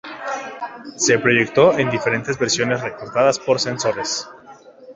Se proyectó en diferentes versiones recortadas por censores.